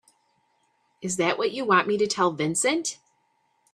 Is that what you want me to tell Vincent?